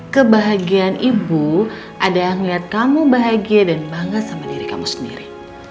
kebahagiaan ibu adalah ngelihat kamu bahagia dan bangga sama diri kamu sendiri